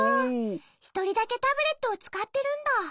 ひとりだけタブレットをつかってるんだ。